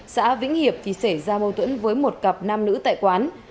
xã vĩnh hiệp thì xảy ra mâu thuẫn với một cặp nam nữ tại quán